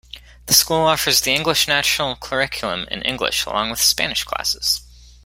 The school offers the English National Curriculum in English, along with Spanish classes.